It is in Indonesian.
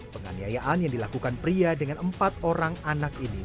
penganiayaan yang dilakukan pria dengan empat orang anak ini